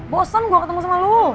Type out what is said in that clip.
bosen gue ketemu sama lo